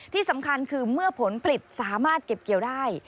ที่สำคัญคือเมื่อผลผลิตสามารถเก็บเกี่ยวได้